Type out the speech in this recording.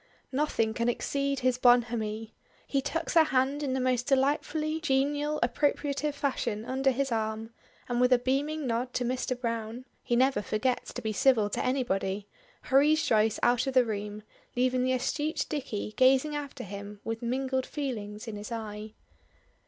Nothing can exceed his bonhomie. He tucks her hand in the most delightfully genial, appropriative fashion under his arm, and with a beaming nod to Mr. Browne (he never forgets to be civil to anybody) hurries Joyce out of the room, leaving the astute Dicky gazing after him with mingled feelings in his eye.